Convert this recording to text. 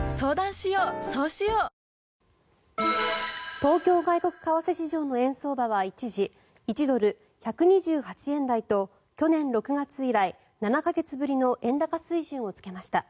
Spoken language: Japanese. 東京外国為替市場の円相場は一時１ドル＝１２８円台と去年６月以来、７か月ぶりの円高水準をつけました。